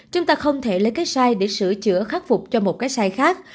chúng ta không thể lấy cái sai để sửa chữa khắc phục cho một cái sai khác